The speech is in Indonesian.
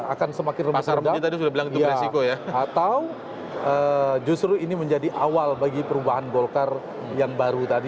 akan semakin remas rendah atau justru ini menjadi awal bagi perubahan golkar yang baru tadi